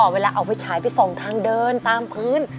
เวลาเอาไฟฉายไปส่องทางเดินตามพื้น